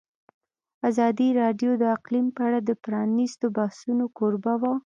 ازادي راډیو د اقلیم په اړه د پرانیستو بحثونو کوربه وه.